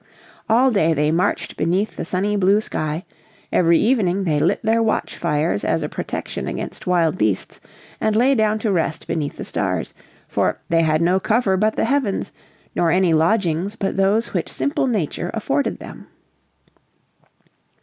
All day they marched beneath the sunny blue sky, every evening they lit their watch fires as a protection against wild beasts and lay down to rest beneath the stars, for "they had no cover but the heavens, nor any lodgings but those which simple nature afforded them."